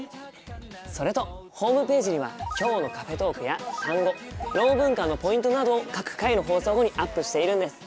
それとホームページには「きょうのカフェトーク」や単語ろう文化のポイントなどを各回の放送後にアップしているんです。